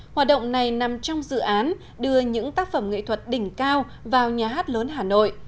hoạt động này nằm trong dự án đưa những tác phẩm nghệ thuật đỉnh cao vào nhà hát lớn hà nội